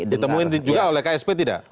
ditemuin juga oleh ksp tidak